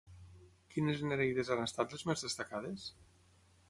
Quines nereides han estat les més destacades?